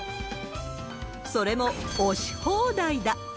それも押し放題だ。